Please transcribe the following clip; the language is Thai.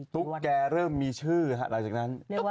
ตุ๊กแกเริ่มมีชื่อหลังจากนั้น